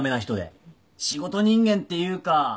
仕事人間っていうか。